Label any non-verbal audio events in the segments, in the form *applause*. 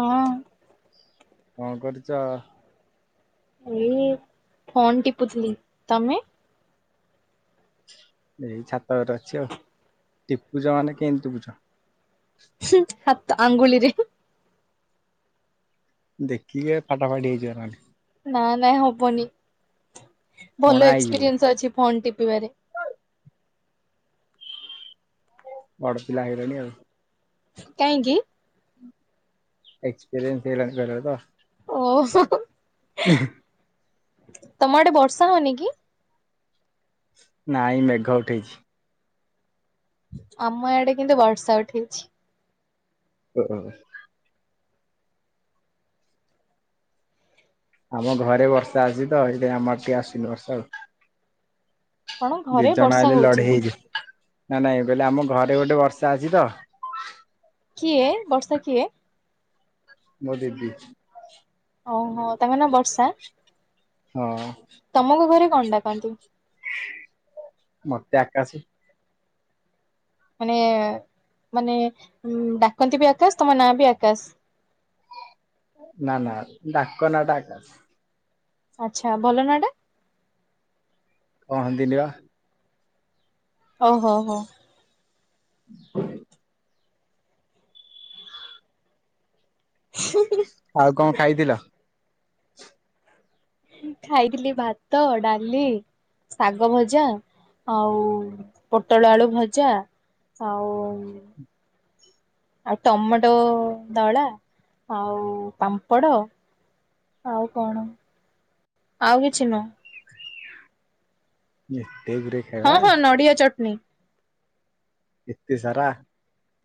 ହଁ। କଣ କରୁଛ? ଏଇ ଫୋନ୍ ଟିପୁଥିଲି, ତମେ? ଏଇ ଛାତ ଉପରେ ଅଛି ଆଉ, ଟିପୁଛ ମାନେ କେମିତି ଟିପୁଛ? ହୁଁ ହାତ ଆଙ୍ଗୁଳିରେ। ଦେଖିକି ଏ ଫାଟା ଫାଟି ହେଇଯିବ‌ ନହେଲେ। ନା ନାଇ ହବନି କଣା ଭଲ ହେଇଯିବ। ଏକ୍ସପିରିଏନ୍ସ ଅଛି ଫୋନ ଟିପିବାରେ। ବଡ ପିଲା ହେଇ ଗଲଣି ଆଉ। କାଇଁକି। ଏକ୍ସପିରିିଏନ୍ସ କହିଲ‌ତ। ଓହୋ ହୋ ତମ ଆଡେ ବର୍ଷା ହଉନି କି। ନାଇଁ ମେଘ ଉଠେଇଛି। ଆମ ଆଡେ କିନ୍ତୁ ବର୍ଷା ଉଠେଇଛି। ଓ। ଆମ ଘରେ ବର୍ଷା ଅଛି ତ ହେଇଥି ପାଇଁ ଆମର ଟିକେ ଆସୁନି ବର୍ଷା ଆଉ। କଣ ଦି ଘରେ ଜଣ ବର୍ଷା ଆଇଲେ ହଉଛି ଲଢେଇ ହେଇଯିବ। ନାଇଁ ନାଇଁ ମୁଁ କଇଲି ଆମ ଘରେ ଗୋଟେ ବର୍ଷା ଅଛି ତ। କିଏ ବର୍ଷା କିଏ? ମୋ ଦିଦି। ଓ ହୋ ତାଙ୍କ ନାଁ ବର୍ଷା? ହଁ। ତମକୁ ଘରେ କଣ ଡାକନ୍ତି? ମତେ ଆକାଶେ। ମାନେ ମାନେ ଉଁ ଡାକନ୍ତି ବି ଆକାଶ ତମ ନାଁ ବି ଆକାଶ। ନା ନା ଡାକ ନା ଟା ଆକସ। ଆଚ୍ଛା ଭଲ ନା ଟା? କହନ୍ତିନି ବା। ଓ ହୋ ହୋ। *unintelligible* ହୁଁ। ଆଉ କଣ ଖାଇଥିଲ? ଖାଇଥିଲି ଭାତ ଡାଲି। ଶାଗ ଭଜା ଆଉ ପୋଟଳ ଆଳୁ ଭଜା। ଆଉ। ଆଉ ଟମାଟୋ ଦଳା ଆଉ ପାମ୍ପଡ଼। ଆଉ କଣ ଆଉ କିଛି ନୁହଁ। ଏତେ ଗୁ ରେ। ହଁ ହଁ ନଡ଼ିଆ ଚଟଣୀ। ଏତେ ସାରା।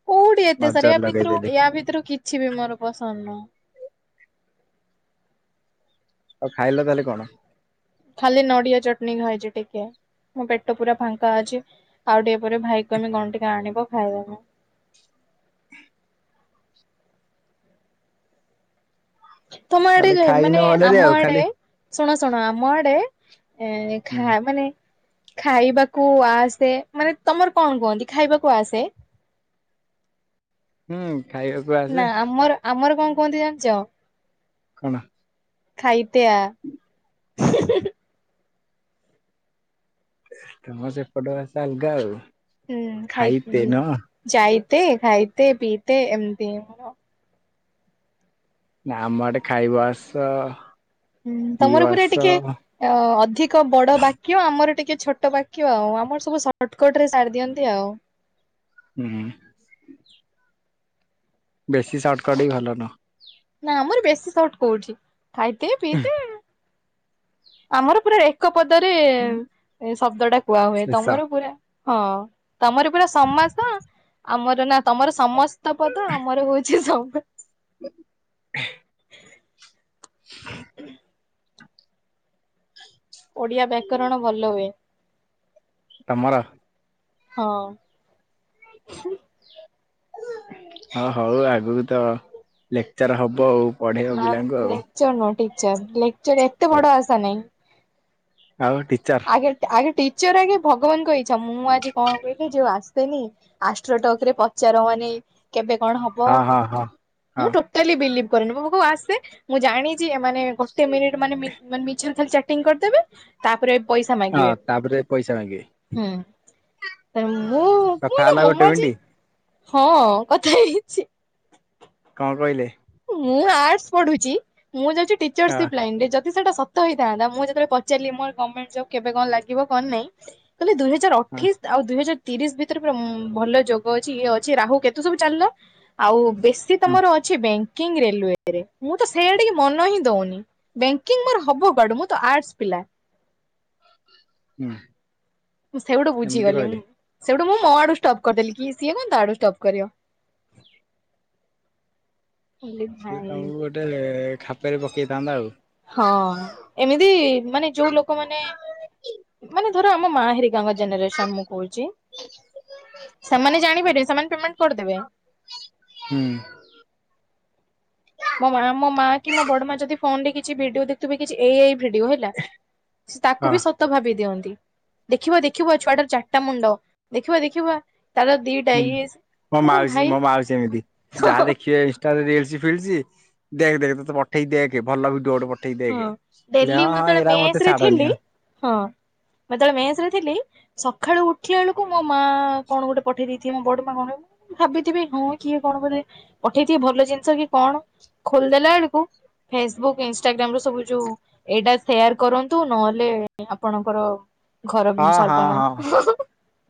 କୋଉଠି ଏତେ ସାରା ନଜର ୟା ଭିତରୁ ଲଗେଇଦେଲି। ୟା ଭିତରୁ କିଛି ବି ମୋର ପସନ୍ଦ ନୁହଁ। ଆଉ ଖାଇଲ ତାହେଲେ କଣ? ଖାଲି ନଡ଼ିଆ ଚଟଣି ଖାଇଛି ଟିକେ। ମୋ ପେଟ ପୁରା ଫାଙ୍କା ଅଛି ଆଉ ଟିକେ ପରେ ଭାଇ କୁ କହିବି କଣ ଟିକେ ଆଣିବ ଖାଇବାକୁ। ତମ ଆଡେ ତାହେଲେ ଯୋଉ ଖାଇନ ମାନେ ଭଲରେ ଆମ ଆଉ ଆଡେ। ଖାଲି ଶୁଣ ଶୁଣ ଆମ ଆଡେ ଏଁ ହୁଁ ଖା ମାନେ। ଖାଇବାକୁ ଆସେ ମାନେ ତମର କଣ କୁହନ୍ତି ଖାଇବାକୁ ଆସେ? ହୁଁ ଖାଇବାକୁ। ଆସେ ନା ଆମର ଆମର କଣ କୁହନ୍ତି ଜାଣିଛ। କଣ। ଖାଇତେ ଆ। ତମ ସେପଟ ଭାଷା ଆଲଗା ଆଉ। ହୁଁ ଖାଇତେ ଖାଇ ନୁହଁ ଯାଇତେ ଖାଇତେ ପିଇତେ ଏମତି। ନା ଆମ ଆଡେ ଖାଇବ ଆସ। ହୁଁ ପିଇବ ତମର ପୁରା ଆସ ଟିକେ ଅ ଅଧିକ ବଡ ବାକ୍ୟ ଆମର ଟିକେ ଛୋଟ ବାକ୍ୟ ଆଉ ଆମର ସବୁ ସର୍ଟକଟ ରେ ସାରି ଦିଅନ୍ତି ଆଉ। ହୁଁ। ବେଶୀ ସର୍ଟକଟ ହି ଭଲ ନୁହଁ। ନା ଆମର ବେଶୀ ସର୍ଟ କୋଉଠି ଖାଇତେ ପିଇତେ ଆମର ପୁରା ଏକ ପଦରେ ଶବ୍ଦ ଟା କୁହାହୁଏ ଶେଷ ତମର ପୁରା ହଁ। ତମର ପୁରା ସମାସ ଆମର ନା ତମର ସମସ୍ତ ପଦ ଆମର ହୋଉଛି ସମ *inaudible* *inaudible* *unintelligible* ଓଡିଆ ବ୍ୟାକରଣ ଭଲ ହୁଏ। ତମର? ହଁ। ହଁ ହୋଉ ଆଗକୁ ତ ଲେକ୍ଚର ହବ ଆଉ। ପଢେଇବ ନା ପିଲାଙ୍କୁ ଆଉ ଲେକ୍ଚର ନୁହଁ ଟିଚର ଲେକ୍ଚର ଏତେ ବଡ ଆସା ନହିଁ। ଆଉ ଟିଚର୍? ଆ ଆଗେ ଟିଚର ଆଗେ ଭଗବାନଙ୍କ ଇଚ୍ଛା ମୁଁ ଆଜି କଣ କହିଲି ଯୋଉ ଆସେନି ଆଷ୍ଟ୍ରୋଟକ ରେ ପଚାର ମାନେ କେବେ କଣ ହବ ହଁ ହଁ ହଁ। ହଁ ମୁଁ ଟୋ ଟାଲି ବିଲିଭ କରେନି ମୋ ପାଖକୁ ଆସେ ମୁଁ ଜାଣିଚି ଏମାନେ ଗୋଟେ ମିନିଟ୍ ମାନେ ମି ମାନେ ମିଛରେ ଖାଲି ଚାଟିଂ କରିଦେବେ। ତାପରେ ପଇସା ହଁ ମାଗିବେ ତାପରେ ପଇସା ମାଗିବେ। ହୁଁ ତେଣୁ ମୁଁ କଥା ମୁଁ ଏଟା ହେଲା ଗୋଟେ ମିନିଟ ମୋମାଜି ହଁ କଥା ହେଇଛି। କଣ କହିଲେ? ମୁଁ ଆର୍ଟ ପଢୁଚି ମୁଁ ଯାଉଚି ହଁ ଟିଚରସିପ ଲାଇନ ରେ ଯଦି ସେଟା ଶ ତ ହେଇଥାନ୍ତା ମୁଁ ଯେତେବେଳେ ପଚାରଲି ମୋର ଗଭର୍ଣ୍ଣମେଣ୍ଟ ଜବ କେବେ କଣ ଲାଗିବ କଣ ନାହିଁ କହିଲେ ଦୁଇ ହଜାର ହଁ ଅଠେଇଶ ଆଉ ଦୁଇ ହଜାର ତିରିଶ ଭିତରେ ପୁରା ଭଲ ଯୋଗ ଅଛି ଇଏ ଅଛି ରାହୁ କେତୁ ସବୁ ଚାଲିଲା। ଆଉ ବେଶୀ ହୁଁ ତମର ଅଛି ବ୍ୟାଙ୍କିଙ୍ଗ ରେଲୱରେ ମୁଁ ତ ସେଇଆଡି କି ମନ ହିଁ ଦୋଉନି। ବେଙ୍କି ମୋର ହବ କୁଆଡୁ ମୁଁ ତ ଆର୍ଟ୍ସ ପିଲା। ହୁଁ। ମୁଁ ସେଇଠୁ ଏମିତି ବୁଝିଗଲି ମୁଁ କହିଲେ ସେଇଠୁ ମୁଁ ମୋ ଆଡୁ ଷ୍ଟପ୍ କରିଦେଲି କି ସିଏ କ ତା ଆଡୁ ଷ୍ଟପ୍ କରିବ। ମୁଁ କହିଲି ସିଏ ଭାଇ ତମକୁ ଗୋଟେ ଖାପରେ ପକେଇଥାନ୍ତା ଆଉ। ହଁ ଏମିତି ମାନେ ଯୋଉ ଲୋକମାନେ ମାନେ ଧର ଆମ ମା ହେରିକ କାଙ୍କ ଜେନେରେସନ ମୁଁ କୋହୁଚି ସେମାନେ ଜାଣିପାରିବେ ସେମାନେ ପେମେଣ୍ଟ କରିଦେବେ। ହୁଁ। ମୋ ମା ମୋ ମା କି ମୋ ବଡ ମା ଯଦି ଫୋନ ରେ କିଛି ଭିଡିଓ ଦେଖଥିବେ କିଛି ଏ ଆଇ ଭିଡିଓ ହେଲା। ସେ ତାକୁ ହଁ ବି ସତ ସତ ଭାବି ଦିଅନ୍ତି ଦେଖିବ ଦେଖିବ ଏଇ ଛୁଆଟାର ଚାର୍ଟାଟା ମୁଣ୍ଡ ଦେଖିବା ଦେଖିବା ତାର ଦିଇ ହୁଁ ମୋ ମାଉସି ମୋ ମାଉସି ଏମିତି ଯାହା ଦେଖିବେ ତାର ରିଲ୍ସ ଫିଲ୍ସ ଦେଖ ଦେଖ ତତେ ପଠେଇ ଦେଖ ଭଲ ଭିଡିଓ ଗୋଟେ ପ ଠିକ ହଁ ଦେକ ଡେଲି ହଁ ମୁଁ ହଁ ଯେତେବେଳେ ହେରା ମେସ ମତେ ରେ ଥିଲି ଛାଡ଼ନି ଆଉ। ହଁ ମୁଁ ଯେତୋବେଳେ ମେସ ରେ ଥିଲି। ସକାଳୁ ଉଠିବା ବେଳକୁ ମୋ ମା କଣ ଗୋଟେ ପଠେଇ ଦେଇଥିବ ମୋ ବଡ ମା କଣ ଭାବିଥିବି ହଁ କିଏ କଣ ବ ପଠେଇଥିବ ଭଲ ଜିନିଷ କି କଣ ଖୋଲିଦେଲା ଏଳକୁ ଫେସବୁକ୍ ଇନ ଷ୍ଟାଗ୍ରାମରୁ ସବୁ ଯୋଉ ଏଇଟା ସେୟାର କରନ୍ତୁ ନହେଲେ ଆପଣଙ୍କର ଚା ଘରବି ହଁ ହଁ ସର୍ବମ୍ ହଁ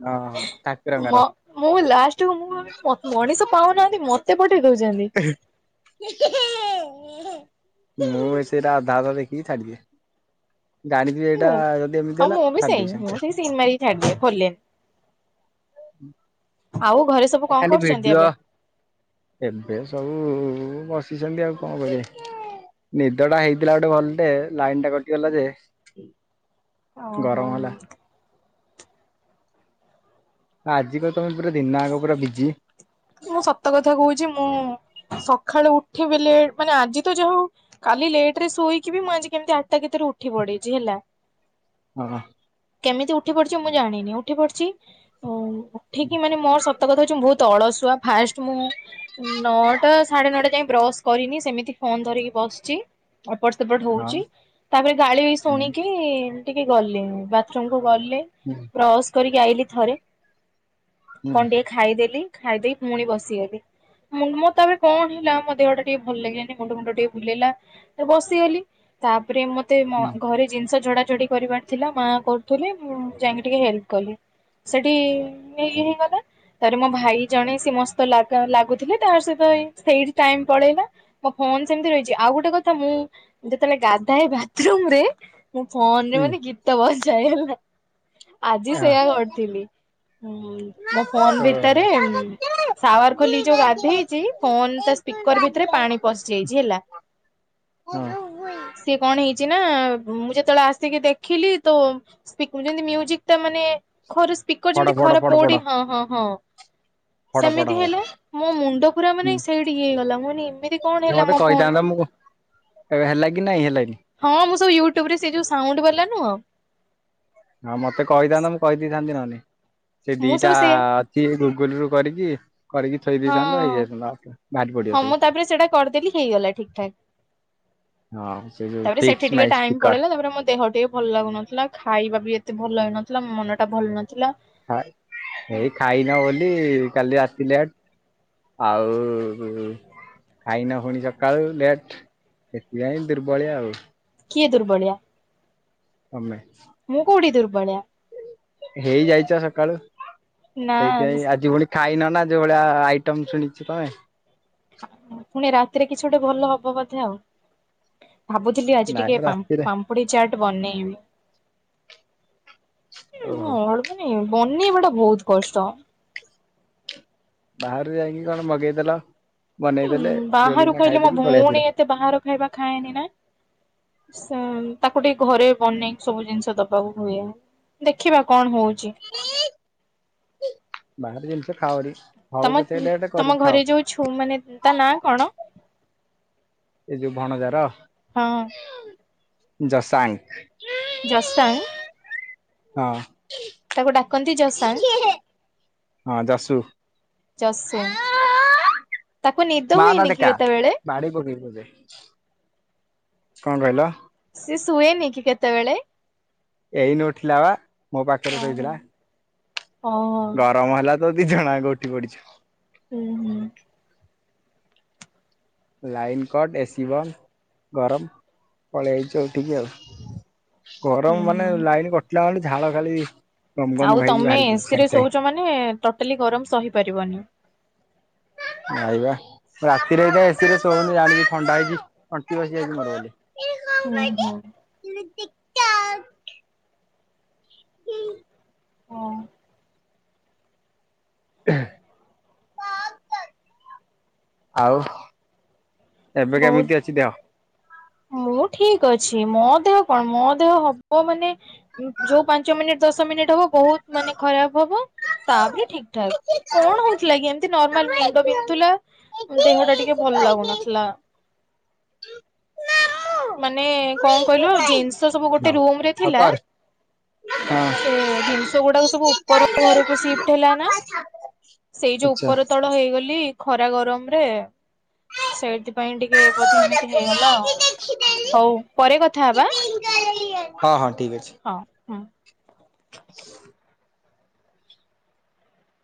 ହଁ ଠାକୁରଙ୍କର। ମ। ମୁଁ ଲାଷ୍ଟକୁ ମୁଁ ମଣିଷ ପାଉନାହାନ୍ତି। ମତେ ପଠେଇ ଦଉଛନ୍ତି। *inaudible* ମୁଁ ଏ ସେଇରା ଆଧା ଅଧା ଦେଖିକି ଛାଡିଦିଏ। ଗାଣିକ ଏଇଟା ଯଦି ଏମିତି ହେଲା ଛାଡିଦେବି ସାଙ୍ଗେ ସାଙ୍ଗେ। ସିମ୍ ମାରିକି ଖାଇଦିଏ। ଖୋଲେ। ଆଉ ଘରେ ସବୁ କଣ ଖାଲି କରୁଛନ୍ତି ଭିଡିଓ ଏବେ? ଏବେ ସବୁ ବସିଛନ୍ତି। ଆଉ କଣ କରିବେ? ନିଦଟା ହେଇଥିଲା ଗୋଟେ ଭଲଟେ। ଲାଇନ୍ ଟା କଟିଗଲା ଯେ ଓହୋ ଗରମ ହେଲା। ହଁ। ଆଜିିକା ତମେ ପୁରା ଦିନ ଆଗ ପୁରା ବିଜି। ମୁଁ ସତ କଥା କହୁଛି ମୁଁ ସଖାଳୁ ଉଠିବି ଲେଟ ମାନେ ଆଜି ତ ଯାହା ହଉ। କାଲି ଲେଟରେ ଶୋଇକି ମୁଁ ଆଜି କେମିତି ଆଠଟା ଭିତରେ ଉଠି ପଡିଛି ହେଲା। ହଁ। କେମିତି ଉଠି ପଡିଛି ମୁଁ ଜାଣିନି। ଉଠି ପଡିଛି ଆ ଉଠିକି ମାନେ ମୋର ସତ କଥା ହଉଛି ବହୁତ ଅଳସୁଆ। ଫାଷ୍ଟ ମୁଁ ନଅଟା ସାଢେ ନଅଟା ଯାଇ ବ୍ରସ୍ କରିନି। ସେମିତି ଫୋନ୍ ଧରିକି ବସିଛି। ଏପଟ ସେପଟ ହଁ ହଉଛି। ତାପରେ ଗାଳି ବି ଶୁଣିକି ହୁଁ ଟିକେ ଗଲେନି ବାଥରୁମକୁ ଗଲେ। ହୁଁ। ବ୍ରସ କରିକି ଆଇଲି ଥରେ। କଣ ହୁଁ ଟିକେ ଖାଇଦେଲି। ଖାଇ ଦେଇକି ମୁଣି ବସିଗଲି। ମୁଁ ମୋ ତାରେ କଣ ହେଲା ମୋ ଦେହଟା ଟିକେ ଭଲ ଲାଗିଲାନି। ମୁଣ୍ଡ ମୁଣ୍ଡ ଟିକେ ବୁଲେଇଲା। ବସିଗଲି ତାପରେ ମତେ ଘରେ ଜିନିଷ ଝଡା ଝଡି ପରିବାର ଥିଲା ମା କରୁଥିଲେ ମୁଁ ଯାଇକି ଟିକେ ହେଲ୍ପ କଲି। ସେଠି ନେଇ ହେଇଗଲା। ତାପରେ ମୋ ଭାଇ ଜଣେ ସିଏ ମୋ ସହିତ ଲଗା ଲାଗୁଥିଲେ। ତାର ସହିତ ସେଇଠି ଟାଇମ୍ ପଳେଇଲା। ମୋ ଫୋନ ସେମିତି ରହିଛି। ଆଉ ଗୋଟେ କଥା ମୁଁ ଯେତେବେଳେ ଗାଧାଏ ବାଥ୍ ରୁମ୍ ରେ ମୁଁ ଫୋନ୍ ରେ ହୁଁ ମାନେ ଗୀତ ବଜାଏ ହେଲା। ଆଜି ସେୟା କରିଥିଲି। ମୋ ଫୋନ ଭିତରେ ସାୱାର ଖୋଲି ଯୋଉ ଗାଧେଇଛି ଫୋନ ତା ସ୍ପିକର ଭିତରେ ପାଣି ପଶି ଯାଇଛି ହେଲା। ହଁ। ସିଏ କଣ ହେଇଛି ନା ମୁଁ ଯେତେବେଳେ ଆସିକି ଦେଖିଲି ତ ସ୍ପିକ୍ ଯେମତି ମ୍ୟୁଜିକ ଟା ମାନେ ଖର ସ୍ପିକର ପଡ ଯେମିତି ପଡ ଖରାପ ପଡ ପଡ ପଡେ। ହଁ ହଁ ହଁ। ପଡ ପଡ ସେମିତି ହବ ହେଲା ମୋ ମୁଣ୍ଡ ପୁରା ହୁଁ ମାନେ ସେଇଠି ଇଏ ହେଇଗଲା। ମି ଏମିତି କଣ ହେଲା ମତେ ମୋ ଫୋନ୍। କହିଥାନ୍ତ ମୁଁ ଏବେ ହେଲା କି ନାଇଁ। ହେଲାନି। ହଁ ମୁଁ ସବୁ ୟୁଟ୍ୟୁବରେ ସେ ଯୋଉ ସାଉଣ୍ଡ୍ ବାଲା ନୁହଁ। ହଁ ମତେ କହିଥାନନ୍ତ। ମୁଁ କହିଦେଇଥାନ୍ତି ନହନେ। ସେ ମୁଁ ଦିଟା ସବୁ ସେ ସିଏ ଗୁଗୁଲ ରୁ କରିକି କରିକି ଥୋଇ ହଁ ଦେଇଥାନ୍ତ ହେଇଯାଇଥାନ୍ତା ବାହାରି ପଡିବ ହଁ ସବୁ ମୁଁ ତାପରେ ସେଟା କରିଦେଲି ହେଇଗଲା ଠିକ୍ ଠାକ୍। ହଁ ସେ ଯୋଉ ତାପରେ ଫିକ୍ସ ସେଠି ମାଇ ଟିକେ ଟାଇମ୍ ସ୍ପିକର ପଳେଇଲା। ତାପରେ ମୋ ଦେହ ଟିକେ ଭଲ ଲାଗୁନଥିଲା। ଖାଇବା ବି ଏତେ ଭଲ ହେଇନଥିଲା। ମନଟା ଭଲ ନଥିଲା। ଏଇ ଖାଇନ ବୋଲି କାଲି ଆସିଲେ ଆଉ ଖାଇନ ପୁଣି ସକାଳୁ ଲେଟ୍। ସେଥିପାଇଁ ଦୁର୍ବଳିଆ ଆଉ। କିଏ ଦୁର୍ବଳିଆ? ତମେ। ମୁଁ କଉଠି ଦୁର୍ବଳିଆ। ହେଇ ଯାଇଛ ସକାଳୁ। ନା ସେଇଥିଇଁ ଆଜି ଭଳି ଖାଇନ ନା ଯୋଉ ଭଳିଆ ଆଇଟମ୍ ଶୁଣିଛି ତମେ? ପୁଣି ରାତିରେ କିଛି ଗୋଟେ ଭଲ ହବ ବୋଧେ ଆଉ। ଭାବୁଥିଲି ଆଜି ନାଇଁ ମ ଟିକେ ପାମ୍ ରାତିରେ ପାମ୍ ପାପୁଡି ଚାଟ ବନେଇବି। ଓହୋ ନାଇଁ ନାଇଁ ବନେଇବା ଟା ବହୁତ କଷ୍ଟ। ବାହାରେ ଯାଇକି କଣ ମଗେଇଦେଲ ବନେଇଦେଲେ ଦୁଲ୍ କିନା ଖାଇଦେଇକି ପଳେଇ ଆସିଲା। ସେ ବାହାର ଖାଇବା ଖାଏନି ନା? ସେ ତାକୁ ଟିକେ ଘରେ ବନେଇକି ସବୁ ଜିନିଷ ଦବାକୁ ହୁଏ। ଦେଖିବା କଣ ହଉଛି? ବାହାର ଜିନିଷ ଖାଅନି। ହଉ ତମ ପଛେ ଲେଟ୍ ତମ କରିକି ଖାଅ ଘରେ ଯୋଉ ଛୁ ମାନେ ତା ନାଁ କଣ? ଏ ଯୋଉ ଭଣଜାର ହଁ ଜସାଙ୍ଗ। ଜସାଙ୍ଗ। ହଁ। ତାକୁ ଡାକନ୍ତି ଜସାଙ୍ଗ। ହଁ ଜସୁ ଯଶୁ ତାକୁ ନିଦ ହୁଏନି କି ଏତେବେଳେ? ବାଡ଼େଇ ପକେଇବି ତତେ? କଣ କହିଲ? ସିଏ ଶୁଏନି କି କେତେବେଳେ? ଏଇନୁ ଉଠିଲା ବା ମୋ ପାଖରେ ଶୋଇଥିଲା। ଓ ହୋ। ଗରମ ହେଲା ତ ଦି ଜଣ ଯାଙ୍କ ଉଠି ପଡିଚୁ। ହୁଁ। ହୁଁ ଲାଇନ୍ କଟ୍, ଏସି ବନ୍ଦ, ଗରମ। ପଳେଇ ଆଇଚୁ ଉଠିକି ଆଉ। ଗରମ ମାନେ ହୁଁ। ଲାଇନ କଟିଲା ମାନେ ଝାଳ ଖାଲି ଗମ ଗମ ଆଉ ଖାଇକି ତମେ ବାହାରି ଏ ପଡୁଛି ସି ରେ ସାଙ୍ଗେ ସାଙ୍ଗେ ଶୋଉଛ ମାନେ ଟୋଟାଲି ଗରମ ସହି ପାରିବନି। ନାଇବା ରାତିରେ ଏବେ ଏ ସି ରେ ଶୋଉନି ଜାଣିଛି ଥଣ୍ଡା ହେଇଛି ତଣ୍ଟି ବସି ଯାଇଛି ମୋର ବଲି। ହୁଁ ହୁଁ ହୁଁ। ହଁ। ଆଉ? ଏବେ ବହୁତ କେମିତି ଅଛି ଦେହ? ମୁଁ ଠିକ ଅଛି। ମୋ ଦେହ କଣ, ମୋ ଦେହ ହବ ମାନେ ଯୋଉ ପାଞ୍ଚ ମିନିଟ୍ ଦଶ ମିନିଟ୍ ହବ ବହୁତ ମାନେ ଖରାପ ହବ। ତାପରେ ଠିକ ଠାକ। କଣ ହଉଥିଲା କି ଏମତି ନର୍ମାଲ ମୁଣ୍ଡ ପିନ୍ଧୁଥିଲା। ଦେହଟା ଟିକେ ଭଲ ଲାଗୁନଥିଲା। ମାନେ କଣ କହିଲ ଜିନିଷ ସବୁ ଗୋଟେ ରୁମରେ ହଉ ଥିଲା। କର ହଁ। ସେ ଜିନିଷ ଗୁଡାକ ସବୁ ଉପର ଘରକୁ ସିଫ୍ଟ ହେଲା ନା? *inaudible* ସେଇ ଯୋଉ ଉପର ତଳ ହେଇଗଲି ଖରା ଗରମ ରେ ସେଇଥିପାଇଁ ଟିକେ ବୋଧେ ଏମିତି ହେଇଗଲା ଆଉ। ଆଚ୍ଛା। ହଉ ପରେ କଥା ହବା। ହଁ ହଁ ଠିକ୍ ଅଛି। ହଁ। ହୁଁ।